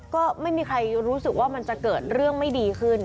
ก็ไม่มีใครรู้สึกว่ามันจะเกิดเรื่องไม่ดีขึ้น